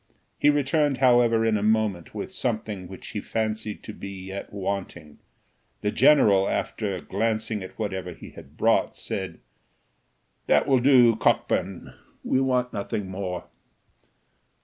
He returned however in a moment, with something which he fancied to be yet wanting; the general, after glancing at whatever he had brought, said, "That will do, Cockburn; we want nothing more."